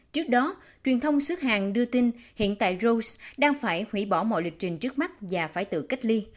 trước đó truyền thông xếp hàng đưa tin hiện tại rose đang phải hủy bỏ mọi lịch trình trước mắt và phải tự cách ly